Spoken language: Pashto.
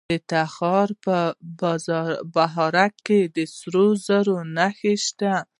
د تخار په بهارک کې د سرو زرو نښې شته.